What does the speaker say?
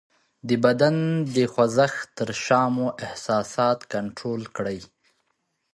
د بدن د خوځښت تر شا مو احساسات کنټرول کړئ :